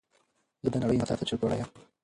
زه د نړۍ انصاف ته چورت وړى يمه